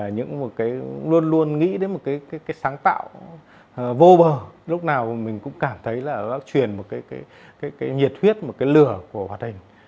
những một cái luôn luôn nghĩ đến một cái sáng tạo vô bờ lúc nào mình cũng cảm thấy là nó truyền một cái nhiệt huyết một cái lửa của hoạt hình